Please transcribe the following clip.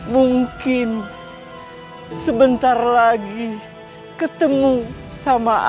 mungkin sebentar lagi ketemu dia